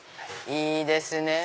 いいですねぇ。